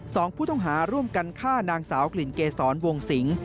สองผู้ต้องหาร่วมกันฆ่านางสาวกลิ่นเกษรวงสิง